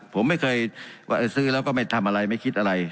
ผมไม่เคยว่าซื้อแล้วก็ไม่ทำอะไรไม่คิดอะไร